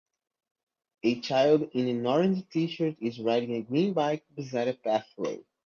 A child in an orange tshirt is riding a green bike beside a pathway.